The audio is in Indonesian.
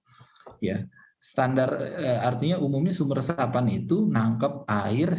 jadi ya standar artinya umumnya sumur resapan itu nangkep air